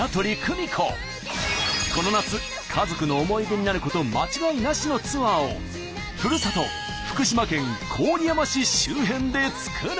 この夏家族の思い出になること間違いなしのツアーをふるさと福島県郡山市周辺で作る！